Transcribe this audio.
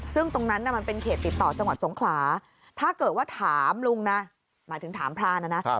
ซึ่งตรงนั้นมันเป็นเขตติดต่อจังหวัดสงขลาถ้าเกิดว่าถามลุงนะหมายถึงถามพรานนะนะ